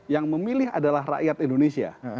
yang memilih adalah rakyat indonesia